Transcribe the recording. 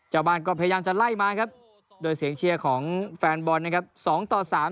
ชาวบ้านก็พยายามจะไล่มาครับโดยเสียงเชียร์ของแฟนบอลนะครับสองต่อสาม